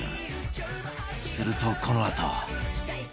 するとこのあと